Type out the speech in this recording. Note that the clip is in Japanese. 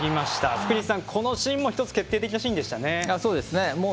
福西さん、このシーンも一つ決定的なシーンでしたね。